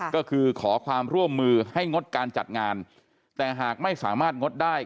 ก็คือขอความร่วมมือให้งดการจัดงานแต่หากไม่สามารถงดได้